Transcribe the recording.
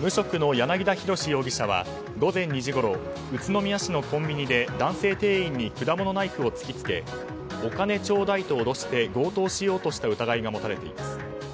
無職の柳田博容疑者は午前２時ごろ宇都宮市のコンビニで男性店員に果物ナイフを突きつけお金ちょうだいと脅して強盗しようとした疑いが持たれています。